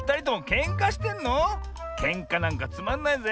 けんかなんかつまんないぜ。